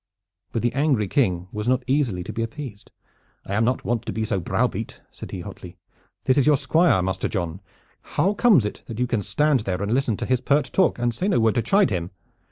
But the angry King was not easily to be appeased. "I am not wont to be so browbeat," said he hotly. "This is your Squire, Master John. How comes it that you can stand there and listen to his pert talk, and say no word to chide him?